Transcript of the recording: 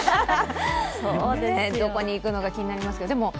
どこに行くのか気になりますが。